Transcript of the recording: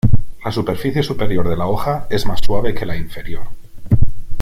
La superficie superior de la hoja es más suave que la inferior.